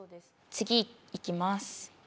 次いきます。